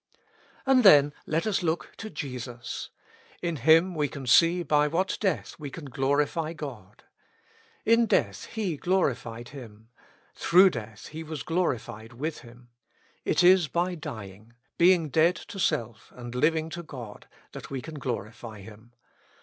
And then let us look to Jesus. In Him we can see by what death we can glorify God. In death He glorified Him ; through death He was glorified with Him. It is by dying, being dead to self and living to God, that we can glorify Him.